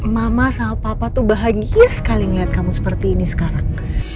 mama sama papa tuh bahagia sekali melihat kamu seperti ini sekarang